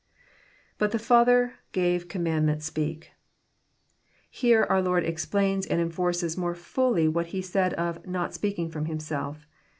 \But the Father..,gave,.,commandment.„8peak<.'] Here our Lord explains and enforces more fully what He said of " not speaking from Himself."